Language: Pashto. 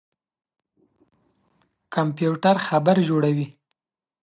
کمپيوټر خبر جوړوي.